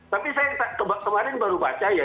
tapi saya kemarin baru baca ya